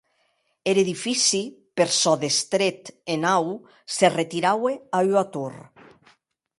Er edifici, per çò d’estret e naut, se retiraue a ua tor.